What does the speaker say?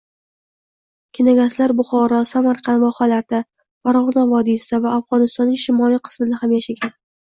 Kenagaslar Buxoro, Samarqand vohalarida, Farg‘ona vodiysida va Afg‘onistonning shimoliy qismida ham yashagan.